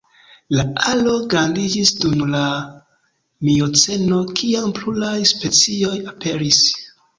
La aro grandiĝis dum la mioceno kiam pluraj specioj aperis.